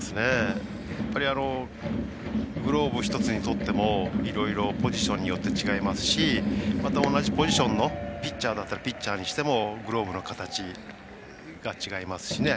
やっぱりグローブ１つにとってもいろいろポジションによって違いますしまた同じポジションのピッチャーだったらピッチャーにしてもグローブの形が違いますしね。